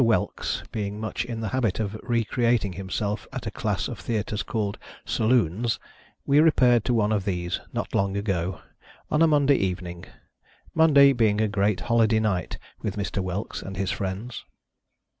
Whelks being much in the habit of recreating him self at a class of theatres called "Saloons," we repaired to one of these, not long ago, on a Monday eveniag; Monday being a great holiday night with Mr. Whelks and his friends.